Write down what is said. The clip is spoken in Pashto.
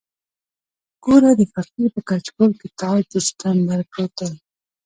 ګوره د فقیر په کچکول کې تاج د سکندر پروت دی.